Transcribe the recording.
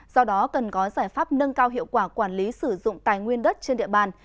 do đó cần có giải pháp nâng cao hiệu quả quản lý sử dụng tài nguyên đất trên địa bàn